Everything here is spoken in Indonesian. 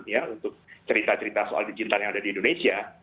ya untuk cerita cerita soal digital yang ada di indonesia